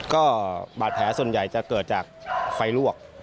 ก็บาดแผลส่วนใหญ่จะเกิดจากไฟลวก